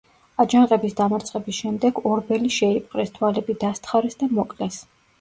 აჯანყების დამარცხების შემდეგ ორბელი შეიპყრეს, თვალები დასთხარეს და მოკლეს.